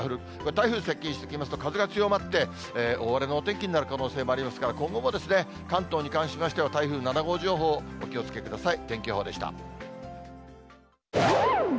台風接近してきますと、風が強まって大荒れのお天気になる可能性もありますから、今後も、関東に関しましては台風７号情報、お気をつけください。